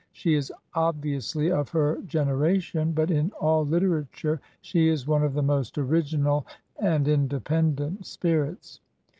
She is obviously of her genera tion, but in all literature she is one of the most original and independent spirits.